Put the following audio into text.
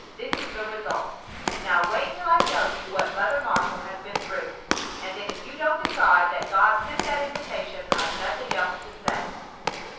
This is the result. Now wait till I tell you what Mother Marshall has been through, and then if you don't decide that God sent that invitation I've nothing else to say."